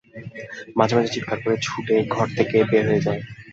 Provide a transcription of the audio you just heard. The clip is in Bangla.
মাঝে-মাঝে চিৎকার করে ছুটে ঘর থেকে বের হয়ে যায়।